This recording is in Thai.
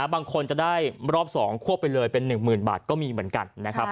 บางคนจะได้รอบ๒ควบไปเลยเป็น๑๐๐๐บาทก็มีเหมือนกันนะครับ